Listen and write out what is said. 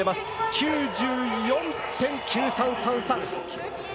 ９４．９３３３。